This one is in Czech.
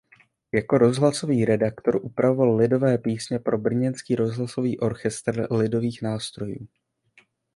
Jako rozhlasový redaktor upravoval lidové písně pro Brněnský rozhlasový orchestr lidových nástrojů.